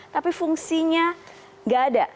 tapi fungsinya tidak ada